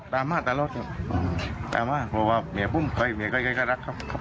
ตามมาตลอดตามมาบอกว่าเมียผมเคยก็รักเขา